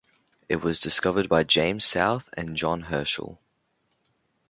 It was discovered by James South and John Herschel.